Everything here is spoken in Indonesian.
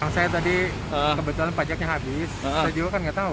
saya tadi kebetulan pajaknya habis saya juga kan nggak tahu